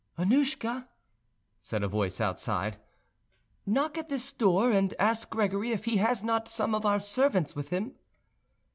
"Annouschka," said a voice outside, "knock at this door and ask Gregory if he has not some of our servants with him."